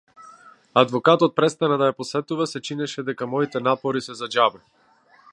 Адвокатот престана да ја посетува се чинеше дека моите напори се за џабе.